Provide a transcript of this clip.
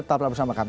setelah bersama kami